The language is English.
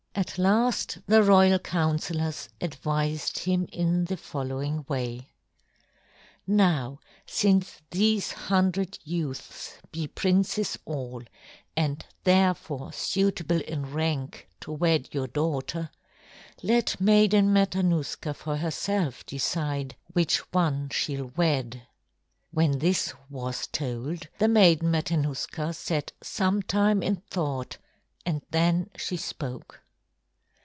At last the royal counselors advised him in the following way: "Now since these hundred youths be princes all, and therefore suitable in rank to wed your daughter, let Maiden Matanuska for herself decide which one she'll wed." When this was told, the Maiden Matanuska sat some time in thought and then she spoke.